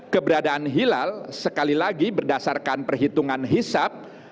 keberadaan hilal sekali lagi berdasarkan perhitungan hisap